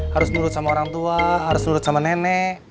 harus nurut sama orang tua harus nurut sama nenek